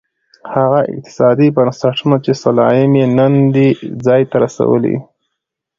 هغه اقتصادي بنسټونه چې سلایم یې نن دې ځای ته رسولی.